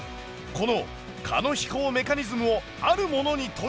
この蚊の飛行メカニズムをあるものに取り入れた！